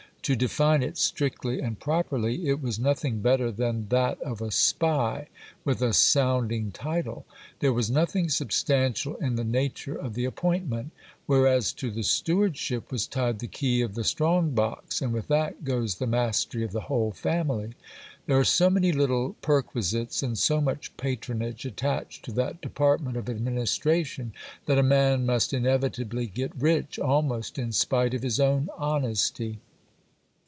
To define it strictly and properly, it was nothing better than that of a spy with a sounding title ; there was nothing substantial in the nature of the appointment : whereas to the stew ardship was tied the key of the strong box, and with that goes the mastery of the whole family. There are so many little perquisites and so much patronage attached to that department of administration, that a man must inevitably get rich, almost in spite of his own honesty.